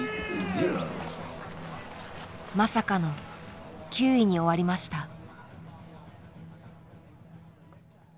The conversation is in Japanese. まさかの９位に終わりました。